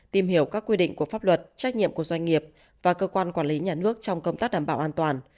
tìm hiểu các quy định của pháp luật trách nhiệm của doanh nghiệp và cơ quan quản lý nhà nước trong công tác đảm bảo an toàn